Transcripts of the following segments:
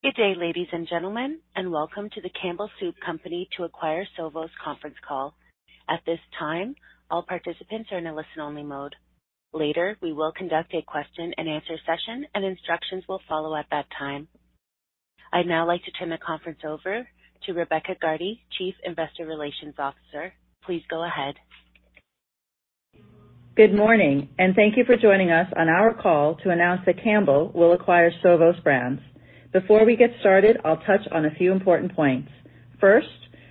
Good day, ladies and gentlemen, and welcome to the Campbell Soup Company to acquire Sovos conference call. At this time, all participants are in a listen-only mode. Later, we will conduct a question and answer session, and instructions will follow at that time. I'd now like to turn the conference over to Rebecca Gardy, Chief Investor Relations Officer. Please go ahead. Good morning, thank you for joining us on our call to announce that Campbell will acquire Sovos Brands. Before we get started, I'll touch on a few important points. First,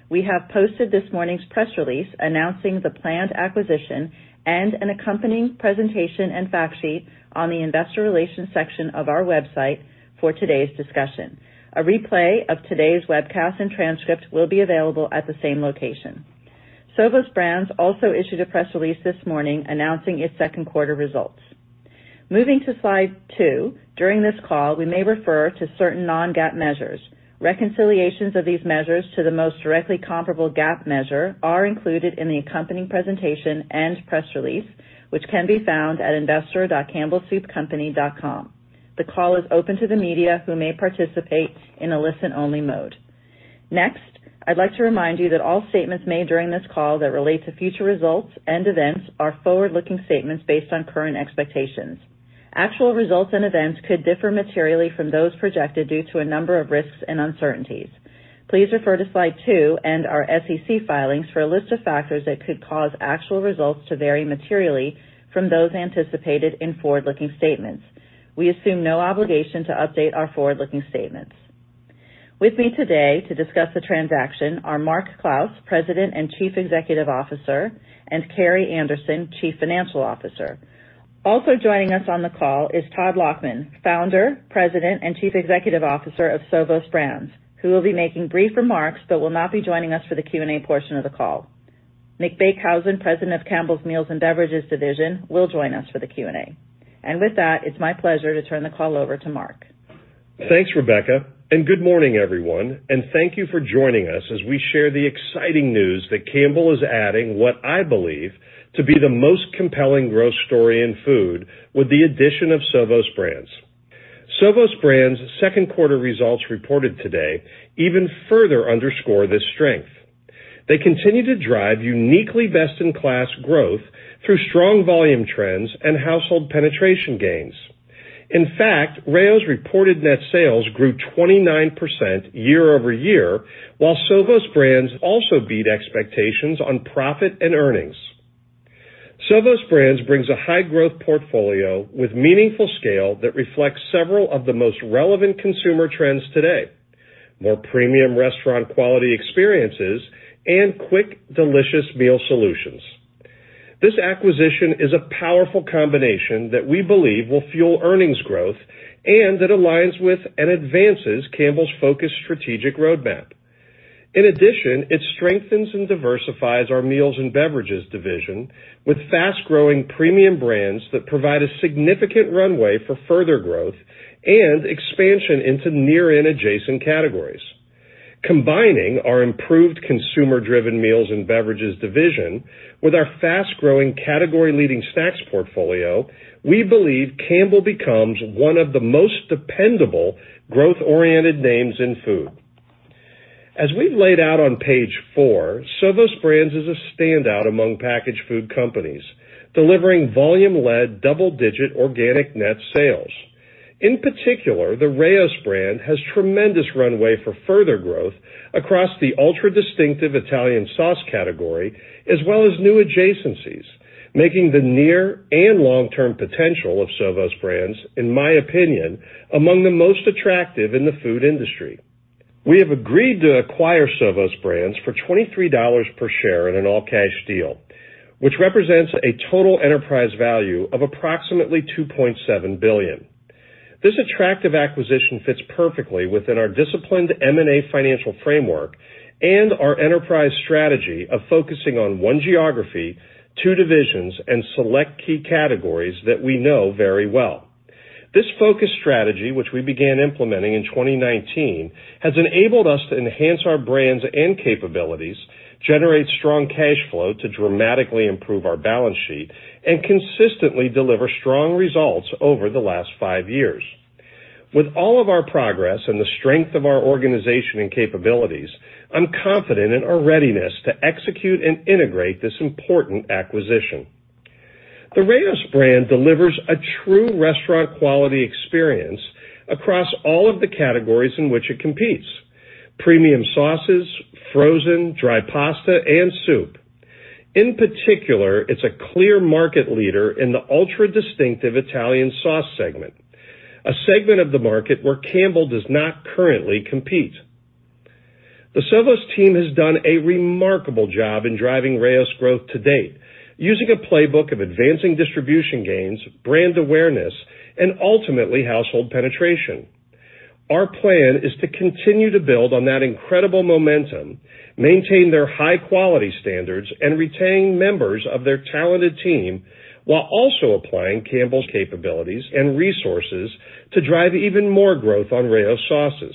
we have posted this morning's press release announcing the planned acquisition and an accompanying presentation and fact sheet on the investor relations section of our website for today's discussion. A replay of today's webcast and transcript will be available at the same location. Sovos Brands also issued a press release this morning announcing its second quarter results. Moving to slide two, during this call, we may refer to certain non-GAAP measures. Reconciliations of these measures to the most directly comparable GAAP measure are included in the accompanying presentation and press release, which can be found at investor.campbellsoupcompany.com. The call is open to the media, who may participate in a listen-only mode. Next, I'd like to remind you that all statements made during this call that relate to future results and events are forward-looking statements based on current expectations. Actual results and events could differ materially from those projected due to a number of risks and uncertainties. Please refer to slide two and our SEC filings for a list of factors that could cause actual results to vary materially from those anticipated in forward-looking statements. We assume no obligation to update our forward-looking statements. With me today to discuss the transaction are Mark Clouse, President and Chief Executive Officer, and Carrie Anderson, Chief Financial Officer. Also joining us on the call is Todd Lachman, Founder, President, and Chief Executive Officer of Sovos Brands, who will be making brief remarks but will not be joining us for the Q&A portion of the call. Mick Beekhuizen, President of Campbell's Meals & Beverages division, will join us for the Q&A. With that, it's my pleasure to turn the call over to Mark. Thanks, Rebecca, good morning, everyone, and thank you for joining us as we share the exciting news that Campbell is adding what I believe to be the most compelling growth story in food with the addition of Sovos Brands. Sovos Brands' second quarter results reported today even further underscore this strength. They continue to drive uniquely best-in-class growth through strong volume trends and household penetration gains. In fact, Rao's reported net sales grew 29% year-over-year, while Sovos Brands also beat expectations on profit and earnings. Sovos Brands brings a high-growth portfolio with meaningful scale that reflects several of the most relevant consumer trends today: more premium restaurant quality experiences and quick, delicious meal solutions. This acquisition is a powerful combination that we believe will fuel earnings growth and that aligns with and advances Campbell's focused strategic roadmap. In addition, it strengthens and diversifies our Meals & Beverages division with fast-growing premium brands that provide a significant runway for further growth and expansion into near and adjacent categories. Combining our improved consumer-driven Meals & Beverages division with our fast-growing, category-leading snacks portfolio, we believe Campbell becomes one of the most dependable, growth-oriented names in food. As we've laid out on page four, Sovos Brands is a standout among packaged food companies, delivering volume-led, double-digit organic net sales. In particular, the Rao's brand has tremendous runway for further growth across the ultra-distinctive Italian sauce category, as well as new adjacencies, making the near and long-term potential of Sovos Brands, in my opinion, among the most attractive in the food industry. We have agreed to acquire Sovos Brands for $23 per share in an all-cash deal, which represents a total enterprise value of approximately 2.7 billion. This attractive acquisition fits perfectly within our disciplined M&A financial framework and our enterprise strategy of focusing on one geography, two divisions, and select key categories that we know very well. This focused strategy, which we began implementing in 2019, has enabled us to enhance our brands and capabilities, generate strong cash flow to dramatically improve our balance sheet, and consistently deliver strong results over the last five years. With all of our progress and the strength of our organization and capabilities, I'm confident in our readiness to execute and integrate this important acquisition. The Rao's brand delivers a true restaurant quality experience across all of the categories in which it competes: premium sauces, frozen, dry pasta, and soup. In particular, it's a clear market leader in the ultra-distinctive Italian sauce segment, a segment of the market where Campbell does not currently compete. The Sovos team has done a remarkable job in driving Rao's growth to date, using a playbook of advancing distribution gains, brand awareness, and ultimately, household penetration. Our plan is to continue to build on that incredible momentum, maintain their high-quality standards, and retain members of their talented team, while also applying Campbell's capabilities and resources to drive even more growth on Rao's sauces.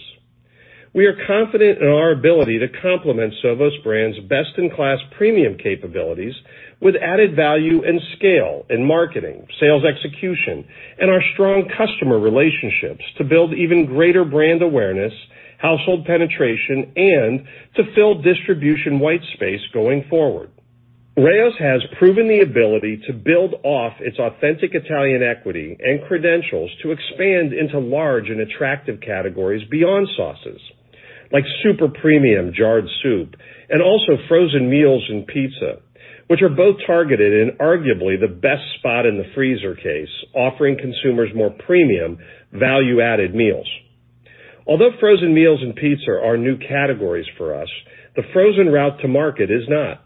We are confident in our ability to complement Sovos Brands' best-in-class premium capabilities with added value and scale in marketing, sales execution, and our strong customer relationships to build even greater brand awareness, household penetration, and to fill distribution white space going forward. Rao's has proven the ability to build off its authentic Italian equity and credentials to expand into large and attractive categories beyond sauces, like super premium jarred soup and also frozen meals and pizza, which are both targeted in arguably the best spot in the freezer case, offering consumers more premium value-added meals. Although frozen meals and pizza are new categories for us, the frozen route to market is not.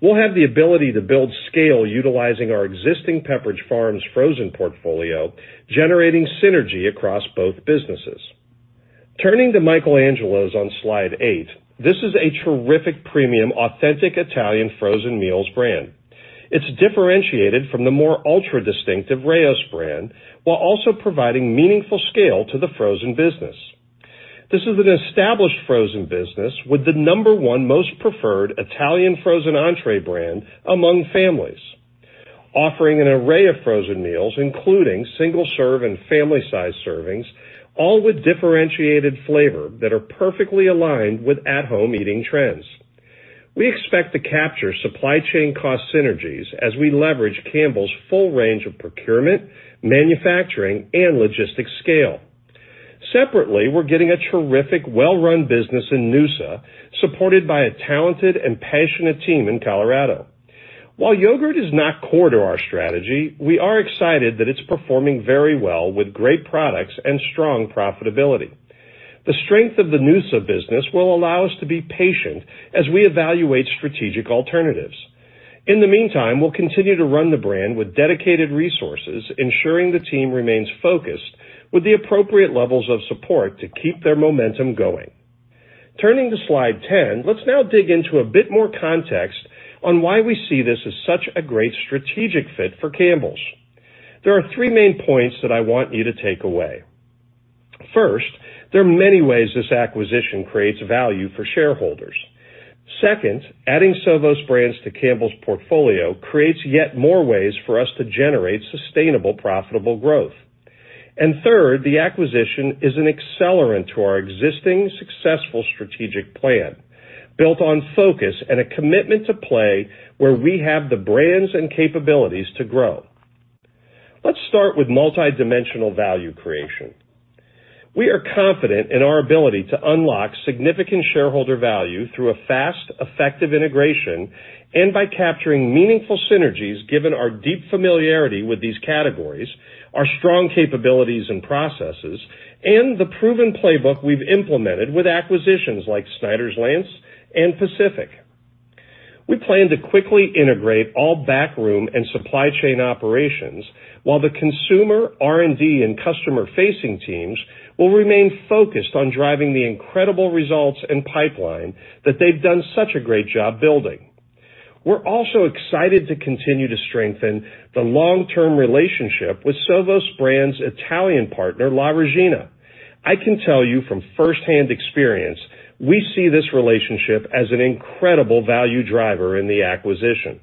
We'll have the ability to build scale utilizing our existing Pepperidge Farm frozen portfolio, generating synergy across both businesses. Turning to Michael Angelo's on Slide 8, this is a terrific premium, authentic Italian frozen meals brand. It's differentiated from the more ultra-distinctive Rao's brand, while also providing meaningful scale to the frozen business. This is an established frozen business, with the number one most preferred Italian frozen entree brand among families, offering an array of frozen meals, including single-serve and family-sized servings, all with differentiated flavor that are perfectly aligned with at-home eating trends. We expect to capture supply chain cost synergies as we leverage Campbell's full range of procurement, manufacturing, and logistics scale. Separately, we're getting a terrific, well-run business in noosa, supported by a talented and passionate team in Colorado. While yogurt is not core to our strategy, we are excited that it's performing very well with great products and strong profitability. The strength of the noosa business will allow us to be patient as we evaluate strategic alternatives. In the meantime, we'll continue to run the brand with dedicated resources, ensuring the team remains focused with the appropriate levels of support to keep their momentum going. Turning to Slide 10, let's now dig into a bit more context on why we see this as such a great strategic fit for Campbell's. There are three main points that I want you to take away. First, there are many ways this acquisition creates value for shareholders. Second, adding Sovos Brands to Campbell's portfolio creates yet more ways for us to generate sustainable, profitable growth. Third, the acquisition is an accelerant to our existing successful strategic plan, built on focus and a commitment to play where we have the brands and capabilities to grow. Let's start with multidimensional value creation. We are confident in our ability to unlock significant shareholder value through a fast, effective integration and by capturing meaningful synergies, given our deep familiarity with these categories, our strong capabilities and processes, and the proven playbook we've implemented with acquisitions like Snyder's-Lance and Pacific. We plan to quickly integrate all backroom and supply chain operations, while the consumer, R&D, and customer-facing teams will remain focused on driving the incredible results and pipeline that they've done such a great job building. We're also excited to continue to strengthen the long-term relationship with Sovos Brands' Italian partner, La Regina. I can tell you from firsthand experience, we see this relationship as an incredible value driver in the acquisition.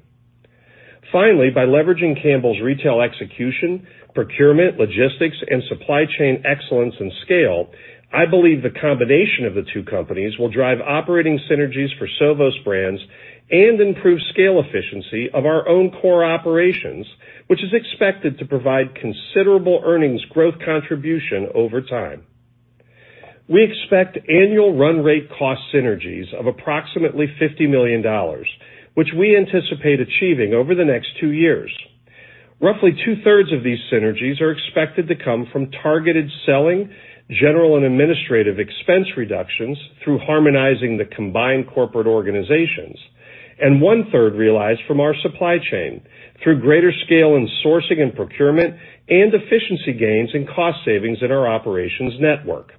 Finally, by leveraging Campbell's retail execution, procurement, logistics, and supply chain excellence and scale, I believe the combination of the two companies will drive operating synergies for Sovos Brands and improve scale efficiency of our own core operations, which is expected to provide considerable earnings growth contribution over time. We expect annual run rate cost synergies of approximately $50 million, which we anticipate achieving over the next two years. Roughly two-thirds of these synergies are expected to come from targeted selling, general and administrative expense reductions through harmonizing the combined corporate organizations, and one-third realized from our supply chain through greater scale in sourcing and procurement and efficiency gains and cost savings in our operations network.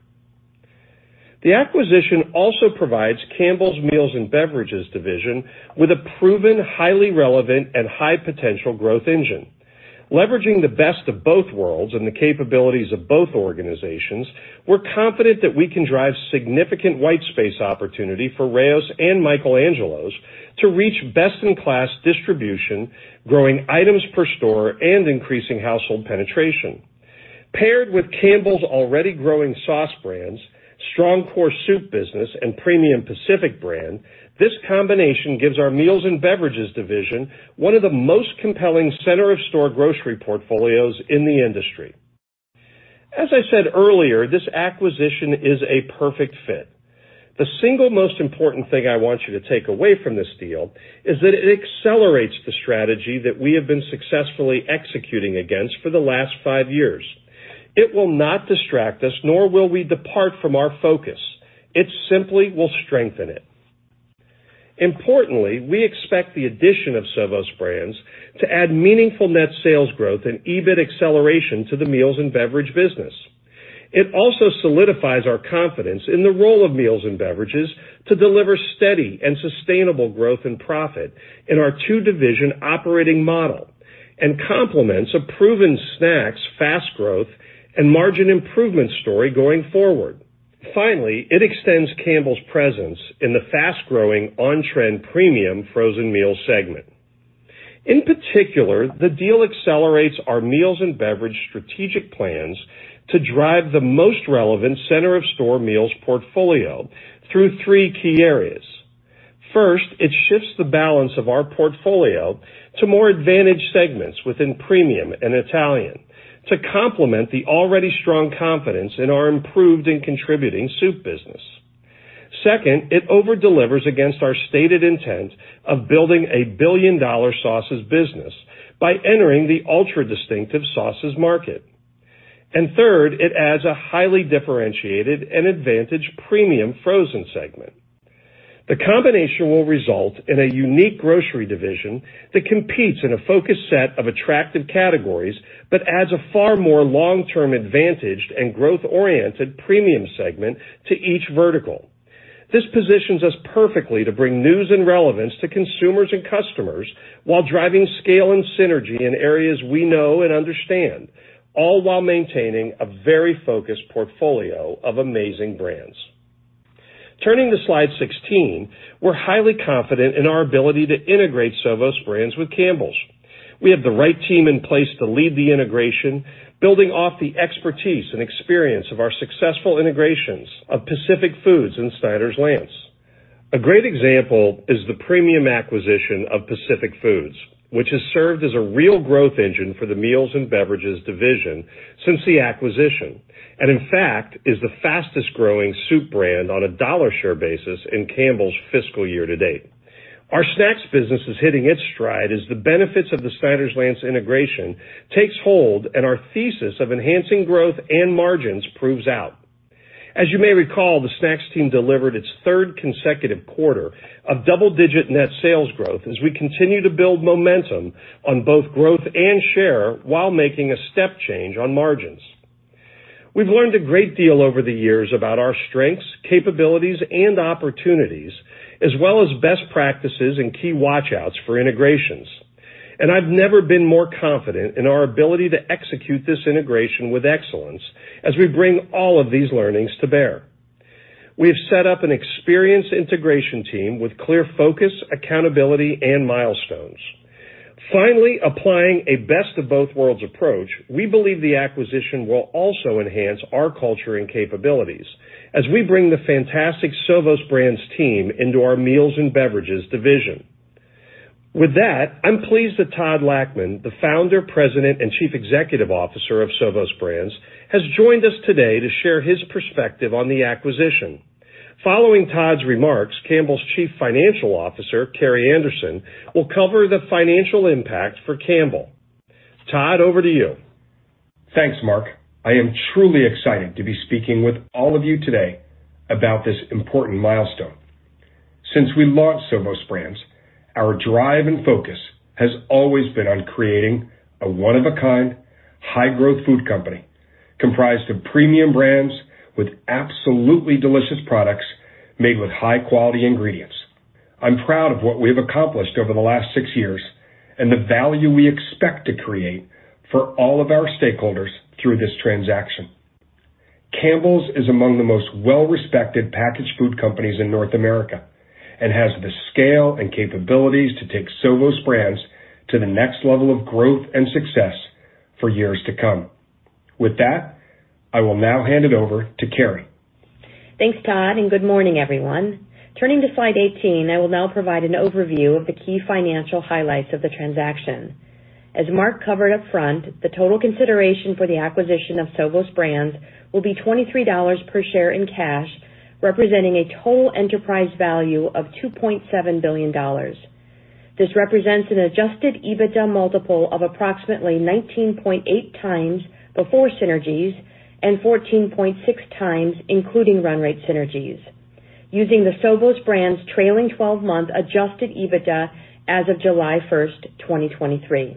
The acquisition also provides Campbell's Meals & Beverages division with a proven, highly relevant, and high-potential growth engine. Leveraging the best of both worlds and the capabilities of both organizations, we're confident that we can drive significant white space opportunity for Rao's and Michael Angelo's to reach best-in-class distribution, growing items per store and increasing household penetration. Paired with Campbell's already growing sauce brands, strong core soup business, and premium Pacific brand, this combination gives our Meals & Beverages division one of the most compelling center-of-store grocery portfolios in the industry. As I said earlier, this acquisition is a perfect fit. The single most important thing I want you to take away from this deal is that it accelerates the strategy that we have been successfully executing against for the last five years. It will not distract us, nor will we depart from our focus. It simply will strengthen it. Importantly, we expect the addition of Sovos Brands to add meaningful net sales growth and EBIT acceleration to the Meals & Beverages business. It also solidifies our confidence in the role of Meals & Beverages to deliver steady and sustainable growth and profit in our two-division operating model, and complements a proven snacks fast growth and margin improvement story going forward. Finally, it extends Campbell's presence in the fast-growing, on-trend premium frozen meal segment. In particular, the deal accelerates our meals and beverage strategic plans to drive the most relevant center-of-store meals portfolio through three key areas. First, it shifts the balance of our portfolio to more advantaged segments within premium and Italian, to complement the already strong confidence in our improved and contributing soup business. Second, it over-delivers against our stated intent of building a billion-dollar sauces business by entering the ultra-distinctive sauces market. Third, it adds a highly differentiated and advantaged premium frozen segment. The combination will result in a unique grocery division that competes in a focused set of attractive categories, but adds a far more long-term advantaged and growth-oriented premium segment to each vertical. This positions us perfectly to bring news and relevance to consumers and customers, while driving scale and synergy in areas we know and understand, all while maintaining a very focused portfolio of amazing brands. Turning to slide 16, we're highly confident in our ability to integrate Sovos Brands with Campbell's. We have the right team in place to lead the integration, building off the expertise and experience of our successful integrations of Pacific Foods and Snyder's-Lance. A great example is the premium acquisition of Pacific Foods, which has served as a real growth engine for the Meals & Beverages division since the acquisition, and in fact, is the fastest-growing soup brand on a dollar share basis in Campbell's fiscal year to date. Our snacks business is hitting its stride as the benefits of the Snyder's-Lance integration takes hold, and our thesis of enhancing growth and margins proves out. As you may recall, the snacks team delivered its third consecutive quarter of double-digit net sales growth as we continue to build momentum on both growth and share while making a step change on margins. We've learned a great deal over the years about our strengths, capabilities, and opportunities, as well as best practices and key watch-outs for integrations, and I've never been more confident in our ability to execute this integration with excellence as we bring all of these learnings to bear. We have set up an experienced integration team with clear focus, accountability, and milestones. Finally, applying a best-of-both-worlds approach, we believe the acquisition will also enhance our culture and capabilities as we bring the fantastic Sovos Brands team into our Meals and Beverages division. With that, I'm pleased that Todd Lachman, the founder, president, and Chief Executive Officer of Sovos Brands, has joined us today to share his perspective on the acquisition. Following Todd's remarks, Campbell's Chief Financial Officer, Carrie Anderson, will cover the financial impact for Campbell. Todd, over to you. Thanks, Mark. I am truly excited to be speaking with all of you today about this important milestone. Since we launched Sovos Brands, our drive and focus has always been on creating a one-of-a-kind, high-growth food company comprised of premium brands with absolutely delicious products made with high-quality ingredients. I'm proud of what we have accomplished over the last six years and the value we expect to create for all of our stakeholders through this transaction. Campbell's is among the most well-respected packaged food companies in North America and has the scale and capabilities to take Sovos Brands to the next level of growth and success for years to come. With that, I will now hand it over to Carrie. Thanks, Todd. Good morning, everyone. Turning to slide 18, I will now provide an overview of the key financial highlights of the transaction. As Mark covered up front, the total consideration for the acquisition of Sovos Brands will be $23 per share in cash, representing a total enterprise value of $2.7 billion. This represents an adjusted EBITDA multiple of approximately 19.8x before synergies and 14.6x, including run rate synergies, using the Sovos Brands' trailing 12-month adjusted EBITDA as of July 1st, 2023.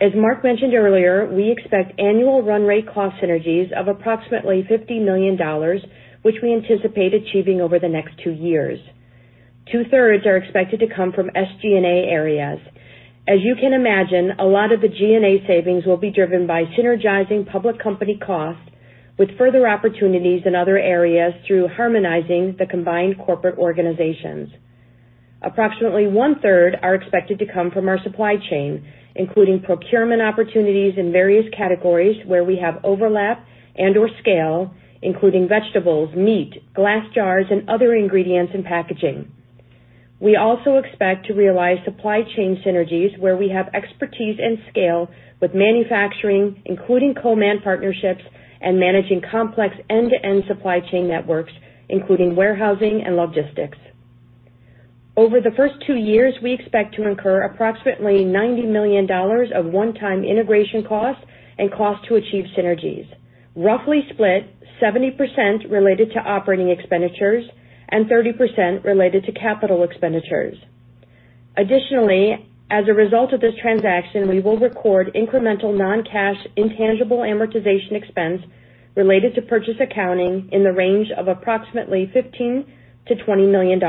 As Mark mentioned earlier, we expect annual run rate cost synergies of approximately $50 million, which we anticipate achieving over the next two years. Two-thirds are expected to come from SG&A areas. As you can imagine, a lot of the G&A savings will be driven by synergizing public company costs with further opportunities in other areas through harmonizing the combined corporate organizations. Approximately one-third are expected to come from our supply chain, including procurement opportunities in various categories where we have overlap and/or scale, including vegetables, meat, glass jars, and other ingredients and packaging. We also expect to realize supply chain synergies where we have expertise and scale with manufacturing, including co-man partnerships and managing complex end-to-end supply chain networks, including warehousing and logistics. Over the first two years, we expect to incur approximately $90 million of one-time integration costs and costs to achieve synergies, roughly split 70% related to operating expenditures and 30% related to capital expenditures. Additionally, as a result of this transaction, we will record incremental non-cash, intangible amortization expense-... related to purchase accounting in the range of approximately $15 million-$20 million.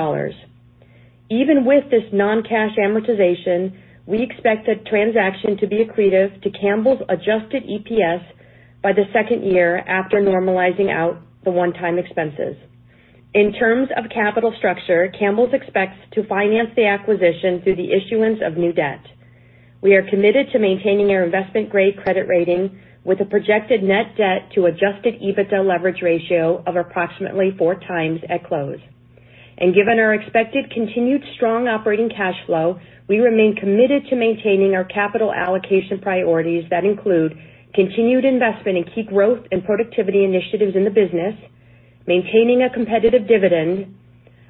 Even with this non-cash amortization, we expect the transaction to be accretive to Campbell's adjusted EPS by the second year after normalizing out the one-time expenses. In terms of capital structure, Campbell's expects to finance the acquisition through the issuance of new debt. We are committed to maintaining our investment-grade credit rating with a projected net debt to adjusted EBITDA leverage ratio of approximately 4x at close. Given our expected continued strong operating cash flow, we remain committed to maintaining our capital allocation priorities that include continued investment in key growth and productivity initiatives in the business, maintaining a competitive dividend,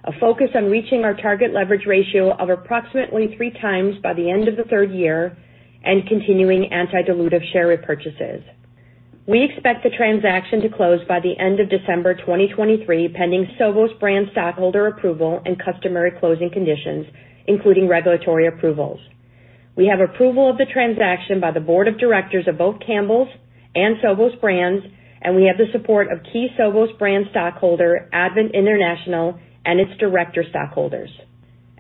a focus on reaching our target leverage ratio of approximately 3x by the end of the third year, and continuing anti-dilutive share repurchases. We expect the transaction to close by the end of December 2023, pending Sovos Brands' stockholder approval and customary closing conditions, including regulatory approvals. We have approval of the transaction by the board of directors of both Campbell's and Sovos Brands, and we have the support of key Sovos Brands stockholder, Advent International, and its director stockholders.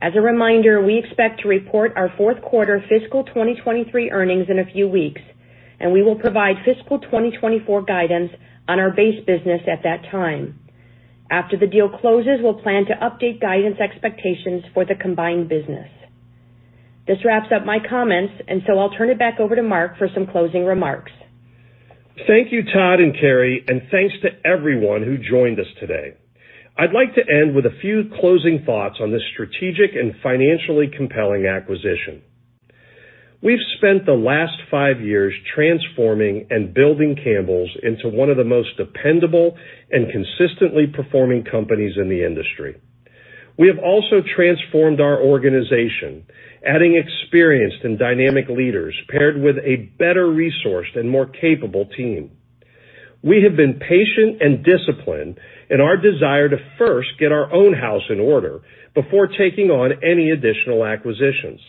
As a reminder, we expect to report our fourth quarter fiscal 2023 earnings in a few weeks, and we will provide fiscal 2024 guidance on our base business at that time. After the deal closes, we'll plan to update guidance expectations for the combined business. This wraps up my comments, and so I'll turn it back over to Mark for some closing remarks. Thank you, Todd and Carrie, thanks to everyone who joined us today. I'd like to end with a few closing thoughts on this strategic and financially compelling acquisition. We've spent the last five years transforming and building Campbell's into one of the most dependable and consistently performing companies in the industry. We have also transformed our organization, adding experienced and dynamic leaders paired with a better-resourced and more capable team. We have been patient and disciplined in our desire to first get our own house in order before taking on any additional acquisitions.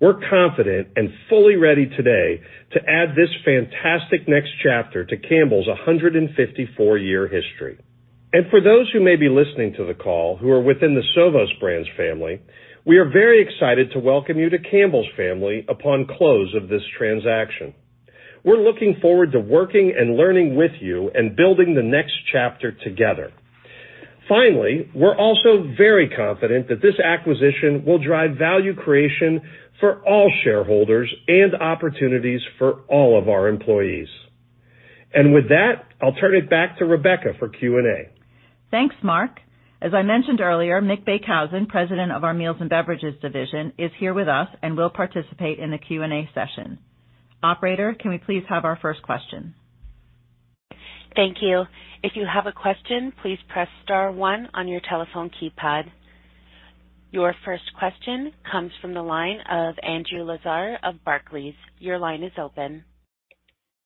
We're confident and fully ready today to add this fantastic next chapter to Campbell's 154 year history. For those who may be listening to the call, who are within the Sovos Brands family, we are very excited to welcome you to Campbell's family upon close of this transaction. We're looking forward to working and learning with you and building the next chapter together. Finally, we're also very confident that this acquisition will drive value creation for all shareholders and opportunities for all of our employees. With that, I'll turn it back to Rebecca for Q&A. Thanks, Mark. As I mentioned earlier, Mick Beekhuizen, President of our Meals & Beverages division, is here with us and will participate in the Q&A session. Operator, can we please have our first question? Thank you. If you have a question, please press star one on your telephone keypad. Your first question comes from the line of Andrew Lazar of Barclays. Your line is open.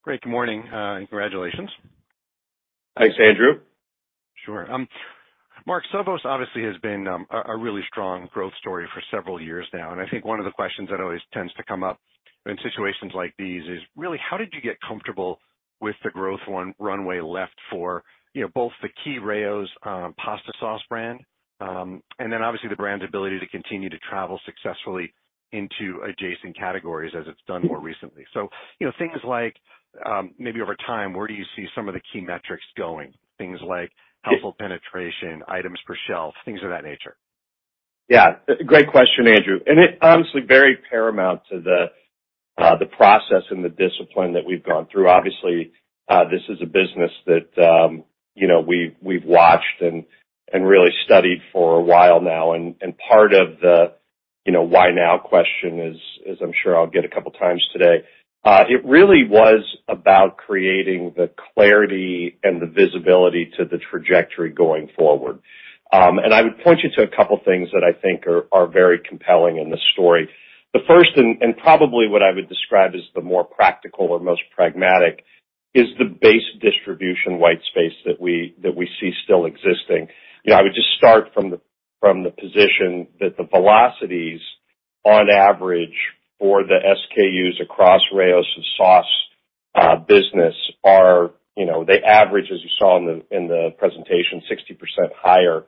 Great, good morning, and congratulations. Thanks, Andrew. Sure. Mark, Sovos obviously has been a really strong growth story for several years now, I think one of the questions that always tends to come up in situations like these is, really, how did you get comfortable with the growth runway left for both the key Rao's pasta sauce brand, and then obviously the brand's ability to continue to travel successfully into adjacent categories as it's done more recently. Things like, maybe over time, where do you see some of the key metrics going? Things like household penetration, items per shelf, things of that nature. Yeah, great question, Andrew, and it honestly very paramount to the process and the discipline that we've gone through. Obviously, this is a business that, you know, we've, we've watched and really studied for a while now. Part of the, you know, why now question is, as I'm sure I'll get a couple times today, it really was about creating the clarity and the visibility to the trajectory going forward. I would point you to a couple of things that I think are very compelling in this story. The first, and probably what I would describe as the more practical or most pragmatic, is the base distribution white space that we see still existing. You know, I would just start from the, from the position that the velocities, on average, for the SKUs across Rao's Sauce business are, you know, they average, as you saw in the, in the presentation, 60% higher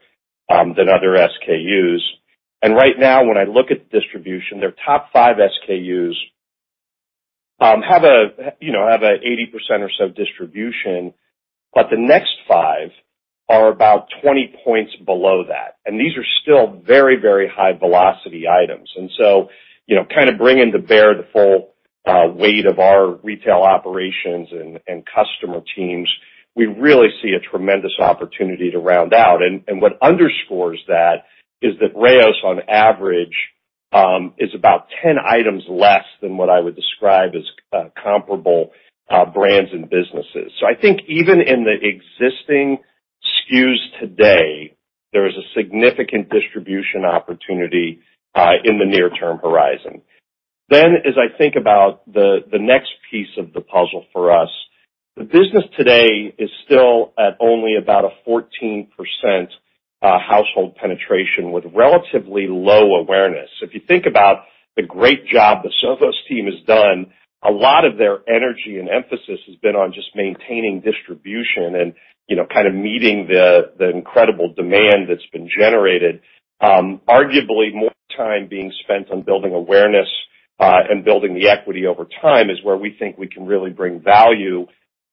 than other SKUs. Right now, when I look at the distribution, their top five SKUs have a, you know, have a 80% or so distribution, but the next five are about 20 points below that, and these are still very, very high-velocity items. You know, kind of bringing to bear the full weight of our retail operations and customer teams, we really see a tremendous opportunity to round out. What underscores that is that Rao's, on average, is about 10 items less than what I would describe as comparable brands and businesses. I think even in the existing SKUs today, there is a significant distribution opportunity in the near-term horizon. As I think about the, the next piece of the puzzle for us, the business today is still at only about a 14% household penetration with relatively low awareness. If you think about the great job the Sovos team has done, a lot of their energy and emphasis has been on just maintaining distribution and, you know, kind of meeting the, the incredible demand that's been generated. Arguably, more time being spent on building awareness and building the equity over time is where we think we can really bring value.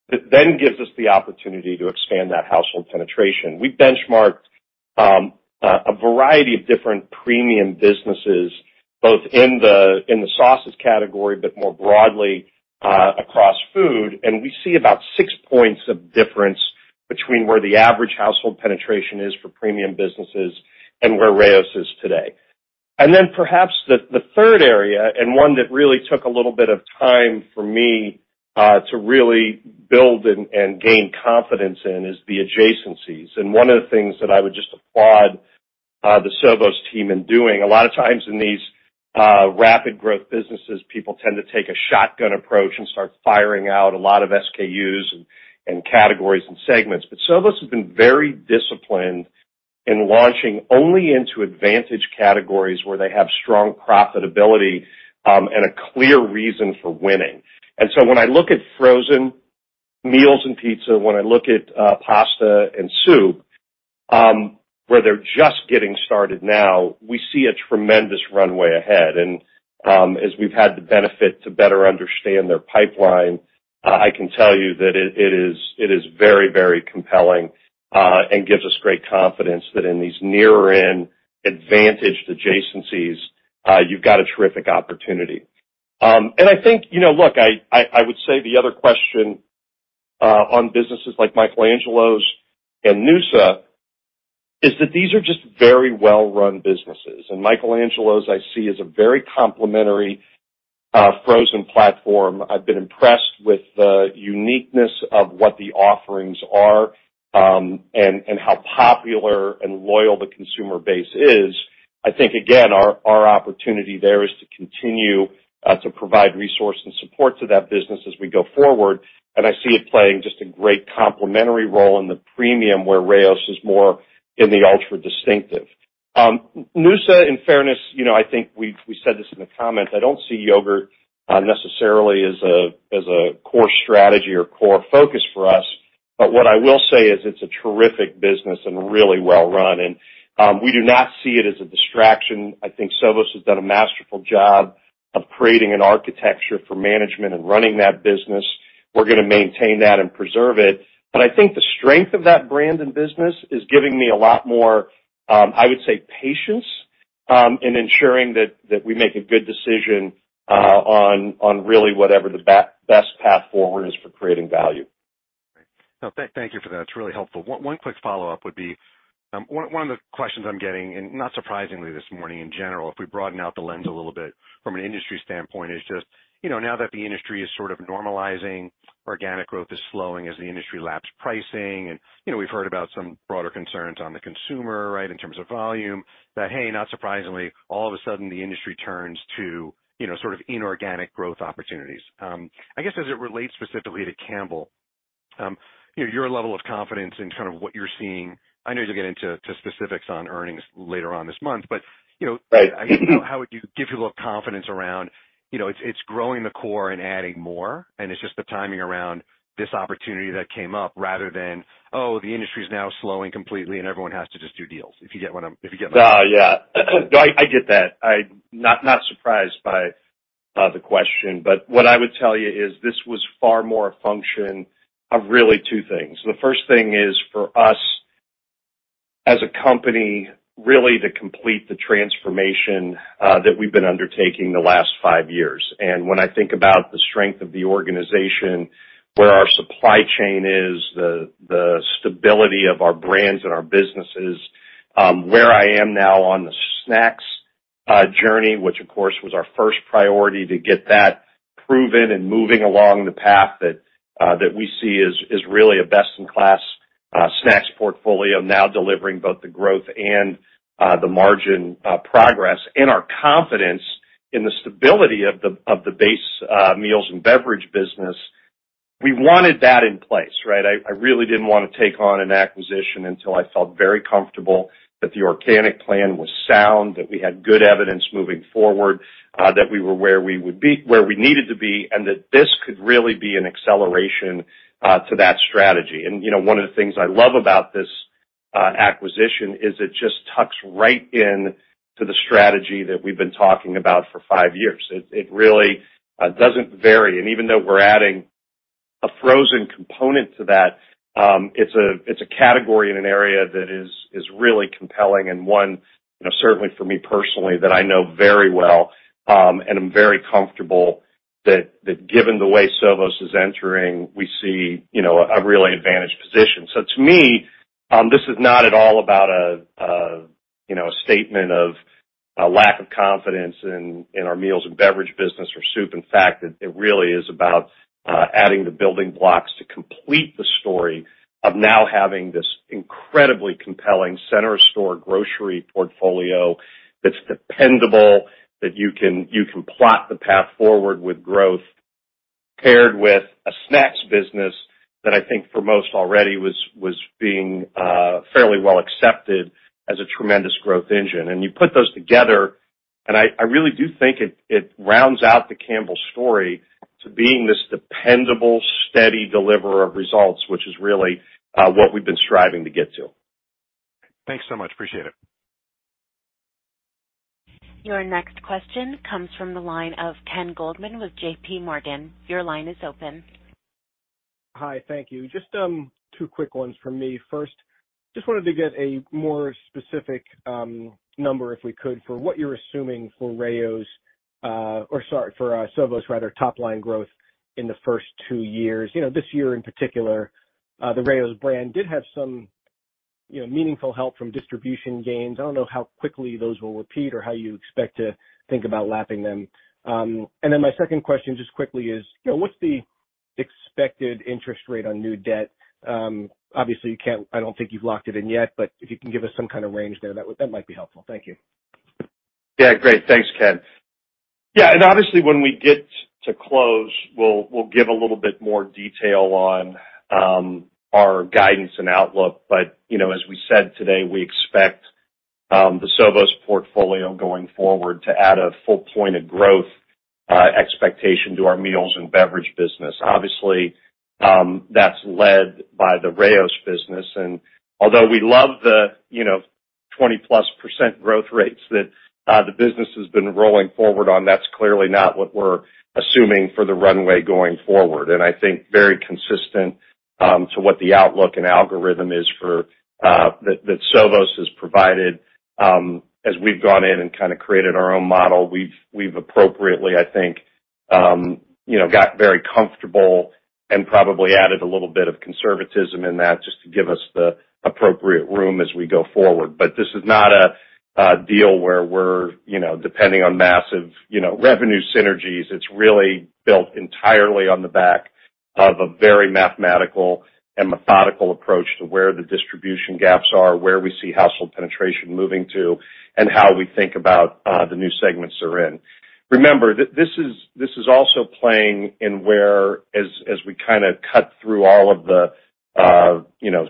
That gives us the opportunity to expand that household penetration. We benchmarked a, a variety of different premium businesses, both in the, in the sauces category, but more broadly across food. We see about 6 points of difference between where the average household penetration is for premium businesses and where Rao's is today. Then perhaps the, the third area, and one that really took a little bit of time for me to really build and, and gain confidence in, is the adjacencies. One of the things that I would just applaud the Sovos team in doing, a lot of times in these rapid growth businesses, people tend to take a shotgun approach and start firing out a lot of SKUs and categories and segments. Sovos has been very disciplined in launching only into advantage categories where they have strong profitability, and a clear reason for winning. When I look at frozen meals and pizza, when I look at pasta and soup, where they're just getting started now, we see a tremendous runway ahead. As we've had the benefit to better understand their pipeline, I can tell you that it, it is, it is very, very compelling, and gives us great confidence that in these nearer-in advantaged adjacencies, you've got a terrific opportunity. I think, you know, look, I, I, I would say the other question on businesses like Michael Angelo's and noosa, is that these are just very well-run businesses. Michael Angelo's, I see, is a very complementary frozen platform. I've been impressed with the uniqueness of what the offerings are, and, and how popular and loyal the consumer base is. I think, again, our, our opportunity there is to continue to provide resource and support to that business as we go forward. I see it playing just a great complementary role in the premium, where Rao's is more in the ultra distinctive. noosa, in fairness, you know, I think we, we said this in the comments. I don't see yogurt necessarily as a, as a core strategy or core focus for us, but what I will say is it's a terrific business and really well run, and we do not see it as a distraction. I think Sovos has done a masterful job of creating an architecture for management and running that business. We're gonna maintain that and preserve it. I think the strength of that brand and business is giving me a lot more, I would say, patience, in ensuring that, that we make a good decision, on, on really whatever the best path forward is for creating value. Great. No, thank, thank you for that. It's really helpful. One, one quick follow-up would be, one, one of the questions I'm getting, not surprisingly, this morning in general, if we broaden out the lens a little bit from an industry standpoint, is just, you know, now that the industry is sort of normalizing, organic growth is slowing as the industry laps pricing. You know, we've heard about some broader concerns on the consumer, right, in terms of volume, that, hey, not surprisingly, all of a sudden, the industry turns to, you know, sort of inorganic growth opportunities. I guess, as it relates specifically to Campbell, you know, your level of confidence in kind of what you're seeing. I know you'll get into specifics on earnings later on this month, but, you know- Right. how would you give your level of confidence around, you know, it's, it's growing the core and adding more, and it's just the timing around this opportunity that came up, rather than, oh, the industry's now slowing completely, and everyone has to just do deals, if you get what I'm, if you get my- No, yeah. I get that. I'm not, not surprised by the question, but what I would tell you is this was far more a function of really two things. The first thing is for us, as a company, really to complete the transformation that we've been undertaking the last five years. When I think about the strength of the organization, where our supply chain is, the stability of our brands and our businesses, where I am now on the snacks journey, which, of course, was our first priority, to get that proven and moving along the path that we see is really a best-in-class snacks portfolio. Now delivering both the growth and the margin progress and our confidence in the stability of the base Meals & Beverages business. We wanted that in place, right? I, I really didn't want to take on an acquisition until I felt very comfortable that the organic plan was sound, that we had good evidence moving forward, that we were where we needed to be, and that this could really be an acceleration to that strategy. You know, one of the things I love about this acquisition is it just tucks right in to the strategy that we've been talking about for five years. It, it really doesn't vary. Even though we're adding a frozen component to that, it's a, it's a category in an area that is, is really compelling and one, you know, certainly for me personally, that I know very well, and I'm very comfortable that, that given the way Sovos is entering, we see, you know, a really advantaged position. To me, this is not at all about, you know, a statement of a lack of confidence in our Meals & Beverages business or soup. In fact, it really is about adding the building blocks to complete the story of now having this incredibly compelling center store grocery portfolio that's dependable, that you can plot the path forward with growth. paired with a snacks business that I think for most already was being fairly well accepted as a tremendous growth engine. You put those together, and I really do think it rounds out the Campbell story to being this dependable, steady deliverer of results, which is really what we've been striving to get to. Thanks so much. Appreciate it. Your next question comes from the line of Ken Goldman with J.P. Morgan. Your line is open. Hi, thank you. Just two quick ones from me. First, just wanted to get a more specific number, if we could, for what you're assuming for Rao's, or sorry, for Sovos rather, top line growth in the first two years. You know, this year in particular, the Rao's brand did have some, you know, meaningful help from distribution gains. I don't know how quickly those will repeat or how you expect to think about lapping them. Then my second question, just quickly, is, you know, what's the expected interest rate on new debt? Obviously, I don't think you've locked it in yet, but if you can give us some kind of range there, that, that might be helpful. Thank you. Yeah, great. Thanks, Ken. Obviously, when we get to close, we'll, we'll give a little bit more detail on our guidance and outlook. You know, as we said today, we expect the Sovos portfolio going forward to add a full point of growth expectation to our Meals & Beverages business. Obviously, that's led by the Rao's business. Although we love the, you know, 20+% growth rates that the business has been rolling forward on, that's clearly not what we're assuming for the runway going forward. I think very consistent to what the outlook and algorithm is for that, that Sovos has provided, as we've gone in and kind of created our own model, we've, we've appropriately, I think, you know, got very comfortable and probably added a little bit of conservatism in that, just to give us the appropriate room as we go forward. This is not a, a deal where we're, you know, depending on massive, you know, revenue synergies. It's really built entirely on the back of a very mathematical and methodical approach to where the distribution gaps are, where we see household penetration moving to, and how we think about the new segments they're in. Remember, this is, this is also playing in where, as, as we kind of cut through all of the, you know,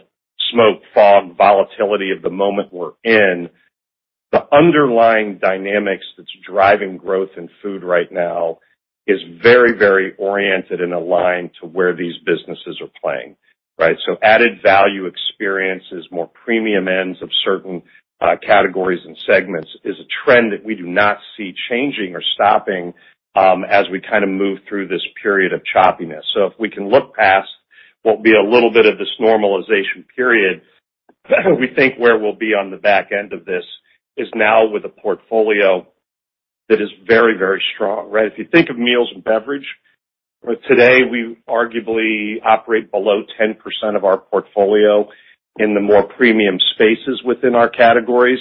smoke, fog, volatility of the moment we're in, the underlying dynamics that's driving growth in food right now is very, very oriented and aligned to where these businesses are playing, right? Added value experiences, more premium ends of certain, categories and segments, is a trend that we do not see changing or stopping, as we kind of move through this period of choppiness. If we can look past what will be a little bit of this normalization period, we think where we'll be on the back end of this is now with a portfolio that is very, very strong, right? If you think of Meals & Beverages, today, we arguably operate below 10% of our portfolio in the more premium spaces within our categories.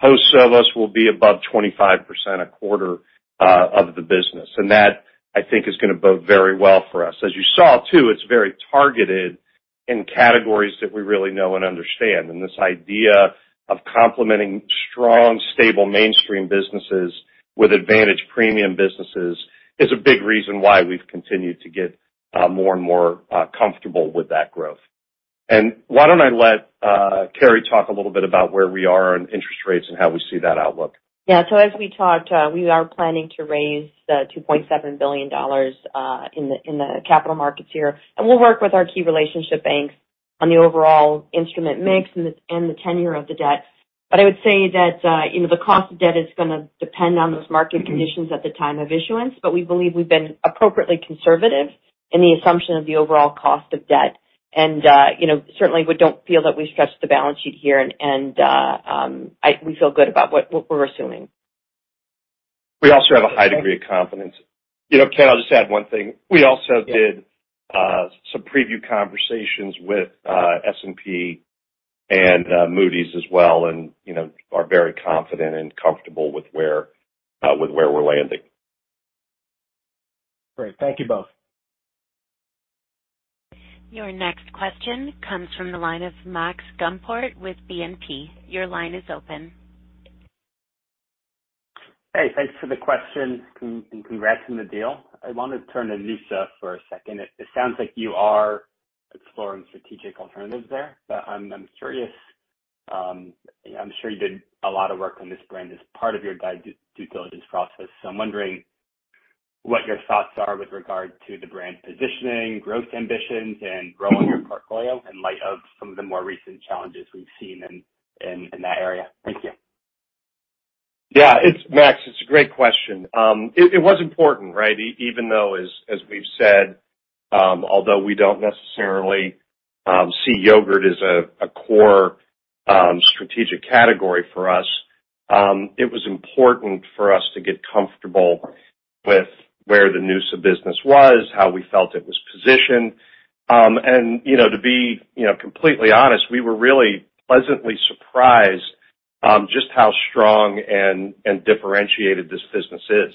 Post-Sovos will be above 25%, a quarter of the business, and that, I think, is gonna bode very well for us. As you saw, too, it's very targeted in categories that we really know and understand. This idea of complementing strong, stable, mainstream businesses with advantage premium businesses is a big reason why we've continued to get more and more comfortable with that growth. Why don't I let Carrie talk a little bit about where we are on interest rates and how we see that outlook? Yeah. As we talked, we are planning to raise $2.7 billion in the, in the capital markets here, and we'll work with our key relationship banks on the overall instrument mix and the, and the tenure of the debt. I would say that, you know, the cost of debt is gonna depend on those market conditions at the time of issuance. We believe we've been appropriately conservative in the assumption of the overall cost of debt. We feel good about what, what we're assuming. We also have a high degree of confidence. You know, Ken, I'll just add one thing. We also did some preview conversations with S&P and Moody's as well, and, you know, are very confident and comfortable with where with where we're landing. Great. Thank you both. Your next question comes from the line of Max Gumport with BNP. Your line is open. Hey, thanks for the question. Congrats on the deal. I wanted to turn to noosa for a second. It sounds like you are exploring strategic alternatives there, but I'm curious, I'm sure you did a lot of work on this brand as part of your due diligence process. I'm wondering what your thoughts are with regard to the brand positioning, growth ambitions, and role in your portfolio in light of some of the more recent challenges we've seen in that area. Thank you. Yeah, it's Max, it's a great question. It was important, right? Even though as, as we've said, although we don't necessarily see yogurt as a core strategic category for us, it was important for us to get comfortable with where the noosa business was, how we felt it was positioned. And, you know, to be, you know, completely honest, we were really pleasantly surprised, just how strong and differentiated this business is.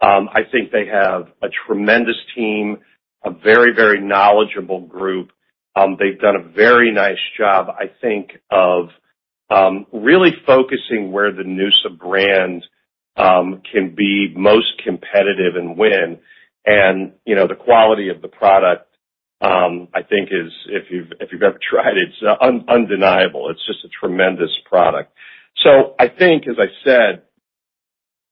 I think they have a tremendous team, a very, very knowledgeable group. They've done a very nice job, I think, of really focusing where the noosa brand can be most competitive and win. And, you know, the quality of the product, I think is, if you've, if you've ever tried it, it's undeniable. It's just a tremendous product. I think, as I said,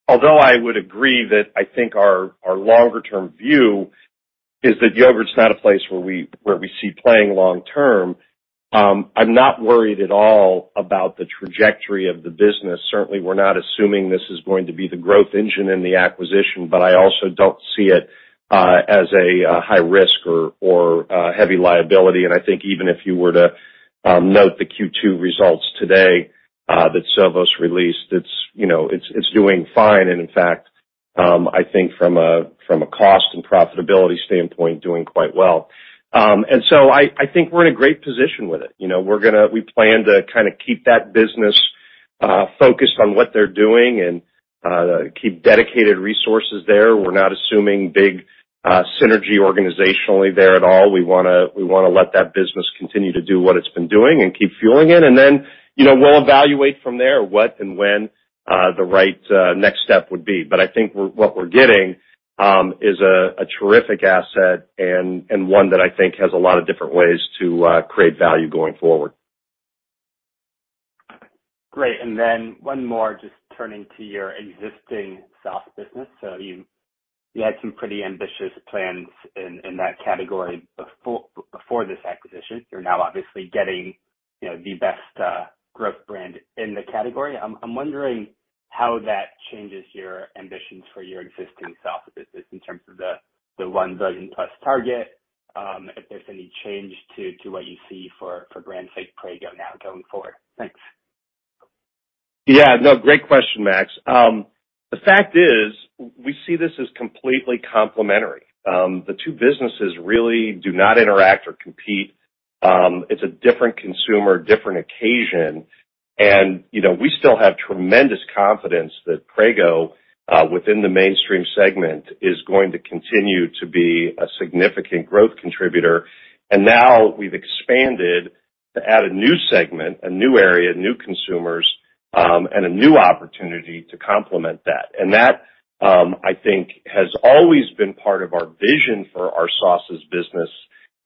although I would agree that I think our, our longer-term view is that yogurt's not a place where we, where we see playing long term, I'm not worried at all about the trajectory of the business. Certainly, we're not assuming this is going to be the growth engine in the acquisition, but I also don't see it as a high risk or heavy liability. I think even if you were to note the Q2 results today that Sovos released, it's, you know, it's, it's doing fine. In fact, I think from a cost and profitability standpoint, doing quite well. I think we're in a great position with it. You know, we plan to kind of keep that business, focused on what they're doing and, keep dedicated resources there. We're not assuming big synergy organizationally there at all. We wanna, we wanna let that business continue to do what it's been doing and keep fueling it. Then, you know, we'll evaluate from there what and when, the right next step would be. I think what we're getting, is a terrific asset and, one that I think has a lot of different ways to create value going forward. Great. Then one more, just turning to your existing sauce business. You, you had some pretty ambitious plans in, in that category before this acquisition. You're now obviously getting, you know, the best, growth brand in the category. I'm wondering how that changes your ambitions for your existing sauce business in terms of the, the 1 billion plus target, if there's any change to, to what you see for, for brand, say, Prego now going forward? Thanks. Yeah, no, great question, Max. The fact is, we see this as completely complementary. The two businesses really do not interact or compete. It's a different consumer, different occasion. You know, we still have tremendous confidence that Prego, within the mainstream segment, is going to continue to be a significant growth contributor. Now we've expanded to add a new segment, a new area, new consumers, and a new opportunity to complement that. That, I think, has always been part of our vision for our sauces business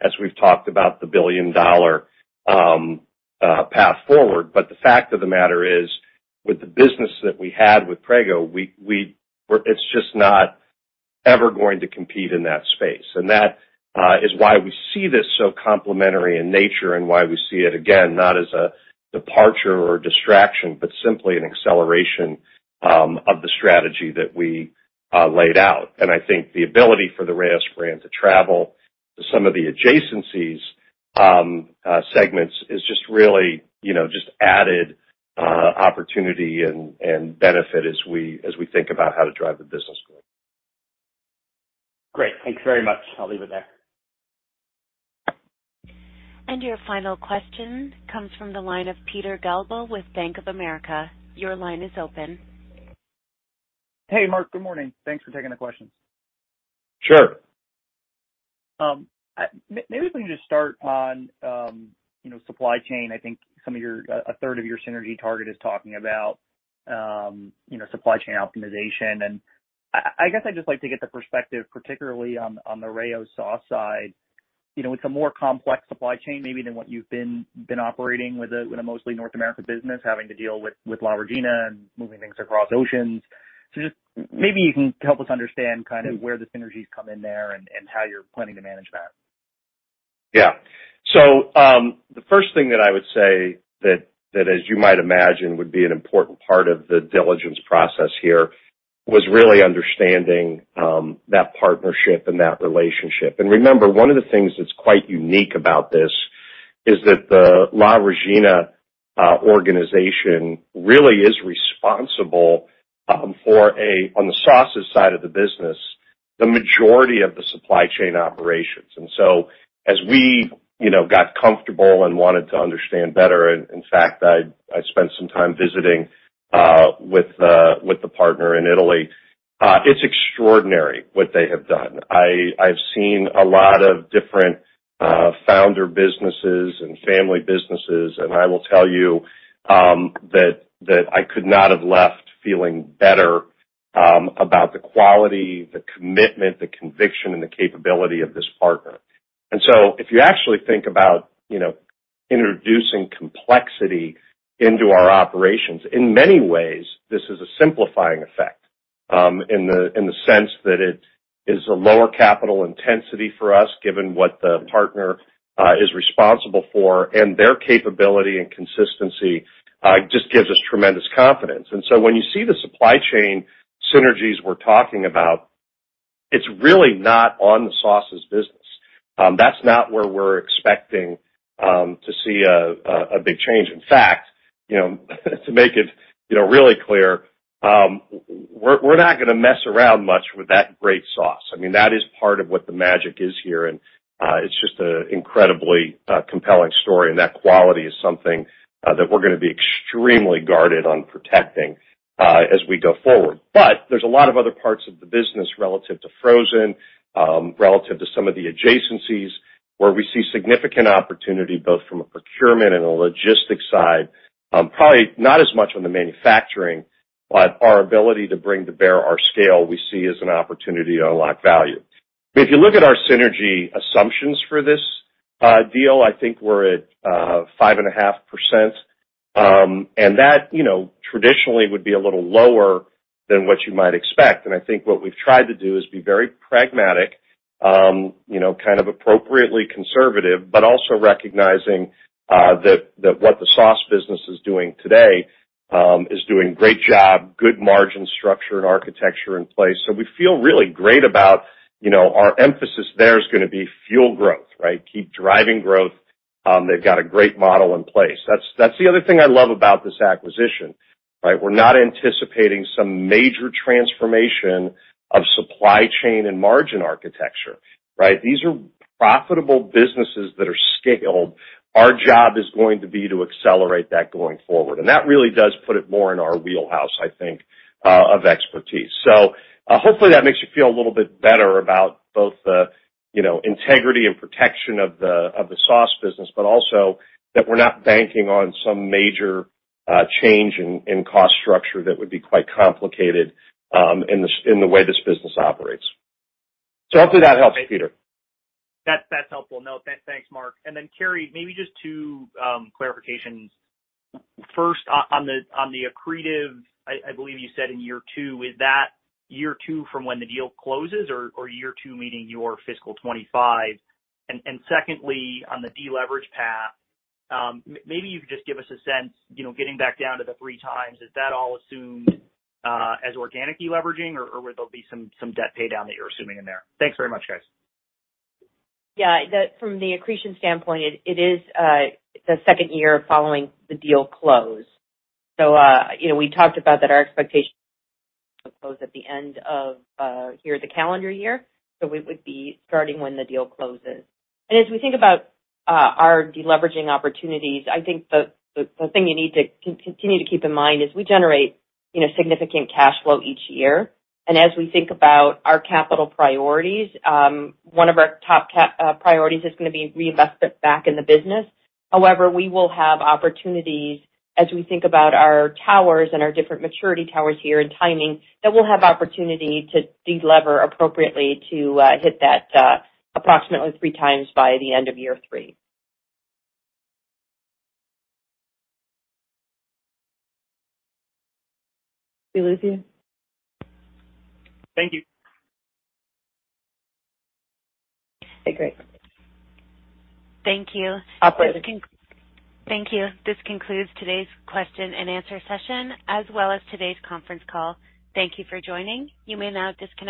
as we've talked about the billion-dollar path forward. The fact of the matter is, with the business that we had with Prego, we, it's just not ever going to compete in that space. That is why we see this so complementary in nature and why we see it, again, not as a departure or distraction, but simply an acceleration of the strategy that we laid out. I think the ability for the Rao's brand to travel to some of the adjacencies, segments is just really, you know, just added opportunity and benefit as we, as we think about how to drive the business growth. Great. Thanks very much. I'll leave it there. Your final question comes from the line of Peter Galbo with Bank of America. Your line is open. Hey, Mark, good morning. Thanks for taking the questions. Sure. Maybe we can just start on, you know, supply chain. I think some of your, a third of your synergy target is talking about, you know, supply chain optimization. I, I guess I'd just like to get the perspective, particularly on, on the Rao's sauce side. You know, it's a more complex supply chain maybe than what you've been, been operating with a, with a mostly North American business, having to deal with, with La Regina and moving things across oceans. Just maybe you can help us understand kind of where the synergies come in there and, and how you're planning to manage that. The first thing that I would say that, that as you might imagine, would be an important part of the diligence process here, was really understanding that partnership and that relationship. Remember, one of the things that's quite unique about this is that the La Regina organization really is responsible for a, on the sauces side of the business, the majority of the supply chain operations. As we, you know, got comfortable and wanted to understand better, and in fact, I, I spent some time visiting with the partner in Italy, it's extraordinary what they have done. I've seen a lot of different founder businesses and family businesses, I will tell you that I could not have left feeling better about the quality, the commitment, the conviction, and the capability of this partner. So if you actually think about, you know, introducing complexity into our operations, in many ways, this is a simplifying effect, in the sense that it is a lower capital intensity for us, given what the partner is responsible for, and their capability and consistency just gives us tremendous confidence. So when you see the supply chain synergies we're talking about, it's really not on the sauces business. That's not where we're expecting to see a big change. In fact, you know, to make it, you know, really clear, we're not gonna mess around much with that great sauce. I mean, that is part of what the magic is here, and it's just a incredibly compelling story. That quality is something that we're gonna be extremely guarded on protecting as we go forward. There's a lot of other parts of the business relative to frozen, relative to some of the adjacencies. where we see significant opportunity, both from a procurement and a logistics side, probably not as much on the manufacturing, but our ability to bring to bear our scale, we see as an opportunity to unlock value. If you look at our synergy assumptions for this deal, I think we're at 5.5%. That, you know, traditionally would be a little lower than what you might expect. I think what we've tried to do is be very pragmatic, you know, kind of appropriately conservative, but also recognizing that, that what the Sovos business is doing today, is doing great job, good margin structure and architecture in place. We feel really great about, you know, our emphasis there is gonna be fuel growth, right? Keep driving growth. They've got a great model in place. That's, that's the other thing I love about this acquisition, right? We're not anticipating some major transformation of supply chain and margin architecture, right? These are profitable businesses that are scaled. Our job is going to be to accelerate that going forward, and that really does put it more in our wheelhouse, I think, of expertise. Hopefully, that makes you feel a little bit better about both the, you know, integrity and protection of the, of the Sovos business, but also that we're not banking on some major change in, in cost structure that would be quite complicated in the way this business operates. Hopefully that helps, Peter. That's, that's helpful. No, thanks, Mark. Carrie, maybe just two clarifications. First, on the accretive, I believe you said in year two, is that year two from when the deal closes or year two, meaning your fiscal 2025? Secondly, on the deleverage path, maybe you could just give us a sense, you know, getting back down to the three times, is that all assumed as organic deleveraging, or would there be some debt paydown that you're assuming in there? Thanks very much, guys. Yeah, the from the accretion standpoint, it, it is the second year following the deal close. You know, we talked about that our expectation close at the end of year, the calendar year. We would be starting when the deal closes. As we think about our deleveraging opportunities, I think the, the, the thing you need to continue to keep in mind is we generate, you know, significant cash flow each year. As we think about our capital priorities, one of our top priorities is gonna be reinvestment back in the business. However, we will have opportunities as we think about our towers and our different maturity towers here and timing, that we'll have opportunity to delever appropriately to hit that approximately three times by the end of year three. Did we lose you? Thank you. Okay, great. Thank you. Operator. Thank you. This concludes today's question and answer session, as well as today's conference call. Thank you for joining. You may now disconnect.